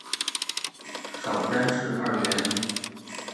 少詹事二员。